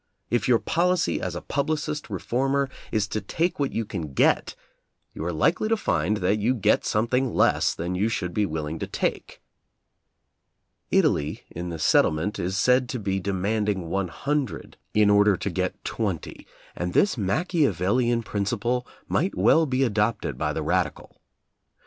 If your policy as a publicist reformer is to take what you can get, you are likely to find that you get something less than you should be willing to take. Italy in the settlement is said to be de manding one hundred in order to get twenty, and this Machiavellian principle might well be adopted by the radical.